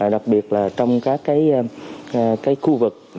đặc biệt là trong các khu vực